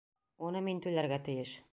Уны мин түләргә тейеш.